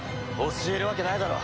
教えるわけないだろ！